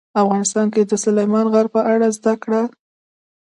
افغانستان کې د سلیمان غر په اړه زده کړه.